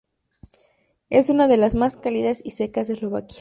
Es una de las más cálidas y secas de Eslovaquia.